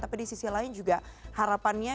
tapi di sisi lain juga harapannya